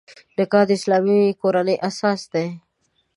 نکاح د اسلامي کورنۍ اساس دی.